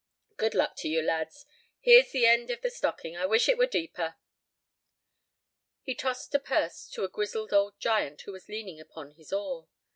Good luck to you, lads. Here's the end of the stocking. I wish it were deeper." He tossed a purse to a grizzled old giant who was leaning upon his oar.